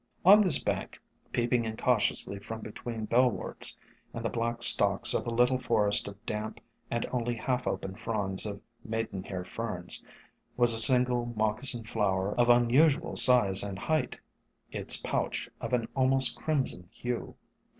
On this bank, peeping incautiously from be tween Bellworts and the black stalks of a little forest of damp and only half opened fronds of Maidenhair Ferns, was a single Moccasin Flower of unusual size and height, its pouch of an almost crimson hue.